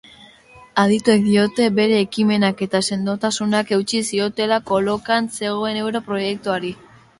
Adituek diote bere ekimenak eta sendotasunak eutsi ziotela kolokan zegoen euro proiektuari.